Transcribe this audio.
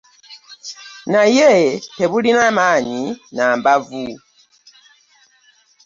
Naye tebulina maanyi na mbavu